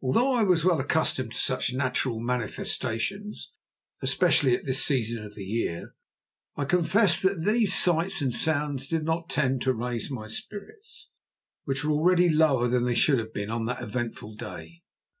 Although I was well accustomed to such natural manifestations, especially at this season of the year, I confess that these sights and sounds did not tend to raise my spirits, which were already lower than they should have been on that eventful day.